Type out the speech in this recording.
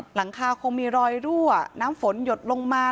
หลังคาคงมีรอยรั่วน้ำฝนหยดลงมา